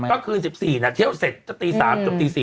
ก็คือ๑๔น่ะเที่ยวเสร็จจนตี๓๔อ่ะ